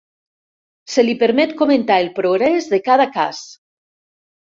Se li permet comentar el progrés de cada cas.